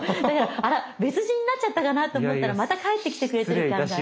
あら別人になっちゃったかなと思ったらまた帰ってきてくれている感があって。